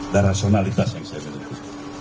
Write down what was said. dan rasionalitas yang saya miliki